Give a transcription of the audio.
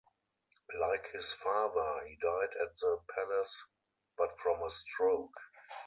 Like his father, he died at the palace-but from a stroke.